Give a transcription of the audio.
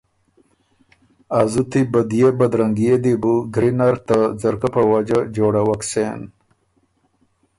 ا زُتی بدئے بدرنګئے دی بُو ګری نر ته ځرګۀ په وجه جوړوک سېن۔